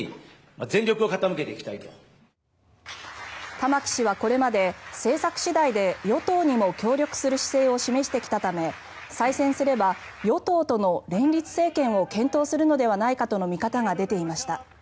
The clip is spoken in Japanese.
玉木氏はこれまで政策次第で与党にも協力する姿勢を示してきたため再選すれば与党との連立政権を検討するのではないかとの見方が出ていました。